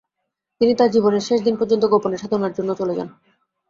তিনি তার জীবনের শেষ দিন পর্যন্ত গোপণে সাধনার জন্য চলে যান।